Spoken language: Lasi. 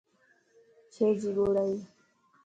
ڇي جي ٻوڙائي؟